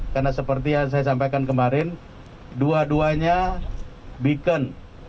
karena seperti yang saya sampaikan kemarin dua duanya beacon